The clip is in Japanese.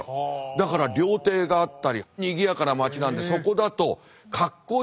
だから料亭があったりにぎやかな街なんでそこだとへえ。